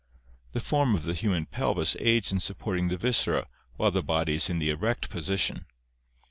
The form of the human pelvis aids in sup porting the viscera while the body is in the erect position.